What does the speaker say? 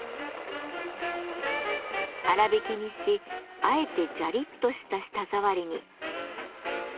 粗びきにしあえてジャリッとした舌触りに。